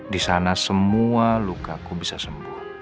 di sana semua luka aku bisa sembuh